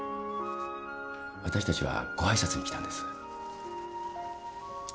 私たちはご挨拶に来たんです。